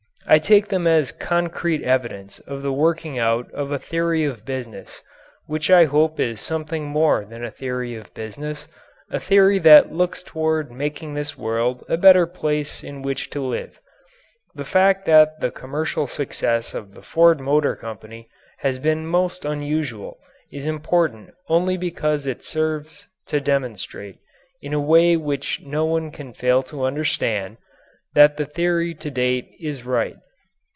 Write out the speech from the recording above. I take them as concrete evidence of the working out of a theory of business, which I hope is something more than a theory of business a theory that looks toward making this world a better place in which to live. The fact that the commercial success of the Ford Motor Company has been most unusual is important only because it serves to demonstrate, in a way which no one can fail to understand, that the theory to date is right.